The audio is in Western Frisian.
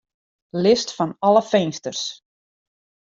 List fan alle finsters.